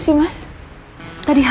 kemudian kah lo